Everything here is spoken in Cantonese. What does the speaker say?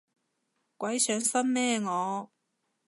鬼上身咩我